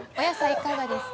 いかがですか。